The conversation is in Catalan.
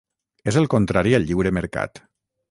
És el contrari al lliure mercat.